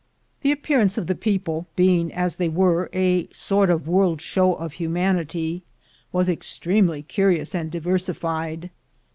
The appearance of the people, being, as they were, a sort of world's show of humanity, was extremely curious and diversified.